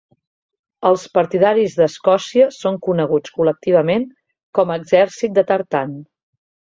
Els partidaris d'Escòcia són coneguts col·lectivament com a Exèrcit de Tartan.